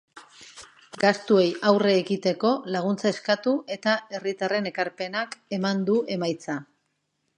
Gastuei aurre egiteko laguntza eskatu eta herritarren ekarpenak eman du emaitza.